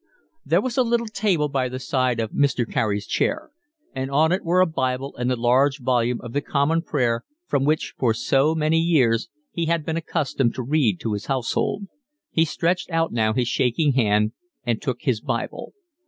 There was a little table by the side of Mr. Carey's chair, and on it were a Bible and the large volume of the Common Prayer from which for so many years he had been accustomed to read to his household. He stretched out now his shaking hand and took his Bible.